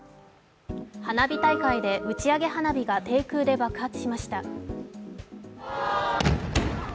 花火大会で打ち上げ花火が低空で爆発しました。